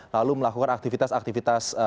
lalu melakukan aktivitas aktivitas